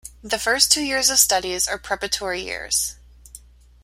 The first two years of studies are preparatory years.